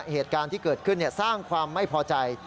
เหตุการณ์ที่เกิดขึ้นสร้างความไม่พอใจ